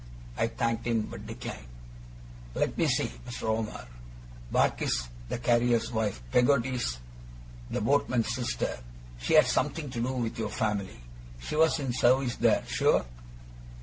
I thanked him, but declined. 'Let me see,' said Mr. Omer. 'Barkis's the carrier's wife Peggotty's the boatman's sister she had something to do with your family? She was in service there, sure?